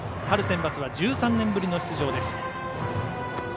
春センバツは１３年ぶりの出場です。